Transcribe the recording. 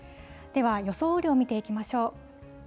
では、予想雨量を見ていきましょう。